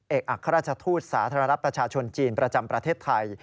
เอกอักษรรถุสาธารับประชาชนจีนประจำประเทศไทย